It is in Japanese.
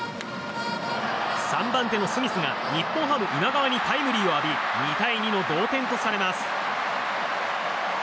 ３番手のスミスが日本ハム今川にタイムリーを浴び２対２の同点とされます。